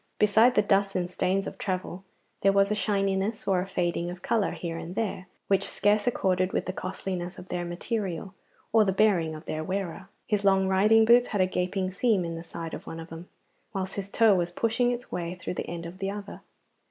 Beside the dust and stains of travel, there was a shininess or a fading of colour here and there which scarce accorded with the costliness of their material or the bearing of their wearer. His long riding boots had a gaping seam in the side of one of them, whilst his toe was pushing its way through the end of the other.